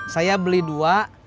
saya beli dua